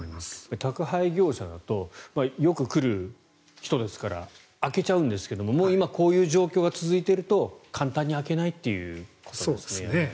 宅配業者だとよく来る人ですから開けちゃうんですけど今、こういう状況が続いていると簡単に開けないってことですよね。